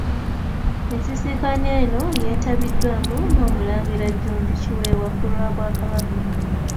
Ensisinkano eno yetabiddwamu n'omulangira Jjunju Kiwewa ku lw'obwakabaka.